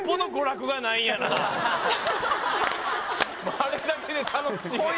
あれだけで楽しい